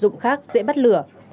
các vật dụng khác sẽ bắt lửa